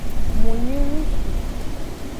Mu nyi ngsu.